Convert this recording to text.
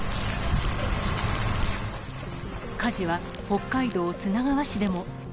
火事は北海道砂川市でも。